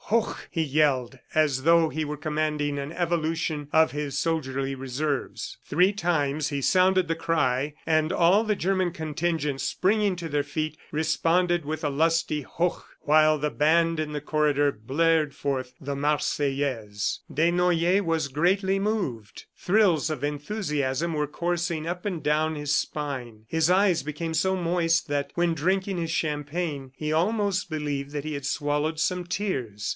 "Hoch!" he yelled as though he were commanding an evolution of his soldierly Reserves. Three times he sounded the cry and all the German contingent springing to their feet, responded with a lusty Hoch while the band in the corridor blared forth the Marseillaise. Desnoyers was greatly moved. Thrills of enthusiasm were coursing up and down his spine. His eyes became so moist that, when drinking his champagne, he almost believed that he had swallowed some tears.